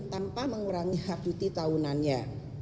tanpa mengurangi hak cuti tahunannya